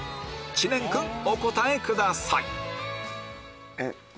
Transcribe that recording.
知念君お答えください